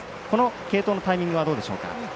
継投のタイミングどうでしょうか。